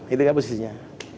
itu kan posisinya